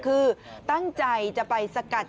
คือตั้งใจจะไปสกัด